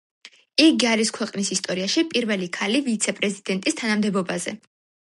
იგი არის ქვეყნის ისტორიაში პირველი ქალი ვიცე-პრეზიდენტის თანამდებობაზე.